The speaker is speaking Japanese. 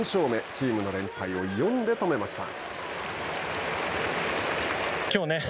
チームの連敗を４で止めました。